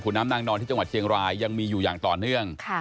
น้ำนางนอนที่จังหวัดเชียงรายยังมีอยู่อย่างต่อเนื่อง